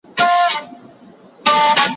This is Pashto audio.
له نېستۍ به سې فارغ په زړه به ښاد سې